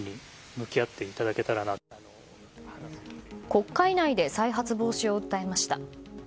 国会内で再発防止を訴えました。